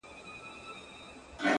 ما په سهار لس رکاته کړي وي!